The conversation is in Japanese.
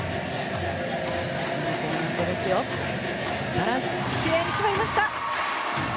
バランスきれいに決まりました。